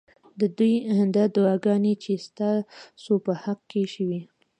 ددوی دا دعاګانې چې ستا سو په حق کي شوي